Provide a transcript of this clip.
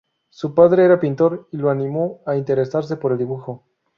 Su padre era pintor y lo animó a interesarse por el dibujo.